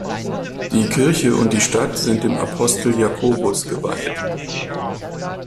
Die Kirche und die Stadt sind dem Apostel Jakobus geweiht.